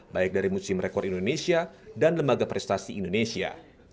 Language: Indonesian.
baik dari musim rekor indonesia dan lembaga prestasi indonesia